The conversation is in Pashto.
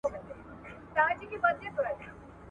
¬ په کار کي شرم نسته، په خواري کي شرم سته.